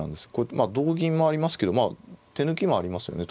まあ同銀もありますけど手抜きもありますよね